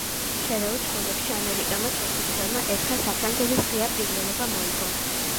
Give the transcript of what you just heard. შერეულ წყვილებში ამერიკელმა ჩოგბურთელმა ერთხელ საფრანგეთის ღია პირველობა მოიგო.